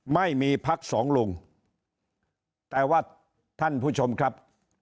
ไม่มีพักสองลุงแต่ว่าท่านผู้ชมครับ